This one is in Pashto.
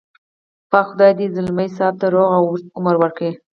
پاک خدای دې ځلمي صاحب ته روغ او اوږد عمر ورکړي.